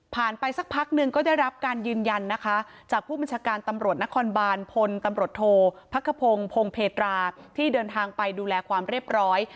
ไปสักพักหนึ่งก็ได้รับการยืนยันนะคะจากผู้บัญชาการตำรวจนครบานพลตำรวจโทษพักขพงศ์พงเพตราที่เดินทางไปดูแลความเรียบร้อย